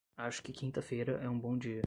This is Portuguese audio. Acho que quinta-feira é um bom dia.